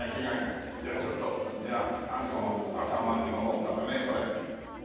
じゃあちょっとあんこの朝まんの方からねこれ。